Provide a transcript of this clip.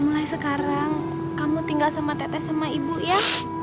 mulai sekarang kamu tinggal sama tete sama ibu ya